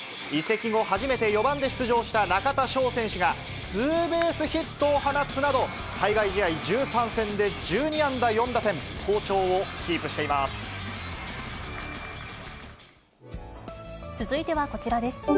移籍後、初めて４番で出場した中田翔選手が、ツーベースヒットを放つなど、対外試合１３戦で１２安打４打点、好調をキープしています。